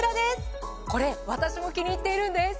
これ私も気に入っているんです。